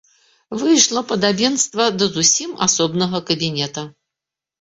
Выйшла падабенства да зусім асобнага кабінета.